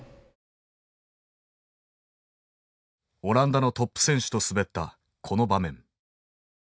オランダのトップ選手と滑ったこの場面。